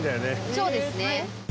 そうですね。